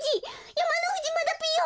やまのふじまだぴよ！